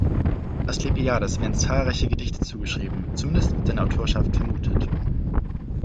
Asklepiades werden zahlreiche Gedichte zugeschrieben, zumindest wird seine Autorschaft vermutet.